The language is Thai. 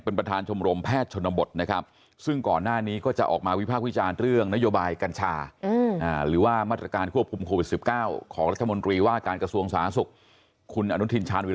เป็นประทานชมโรมแพทย์ชนบทนะครับ